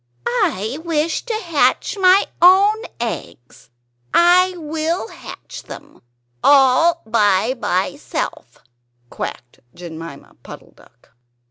"I wish to hatch my own eggs; I will hatch them all by myself," quacked Jemima Puddle duck.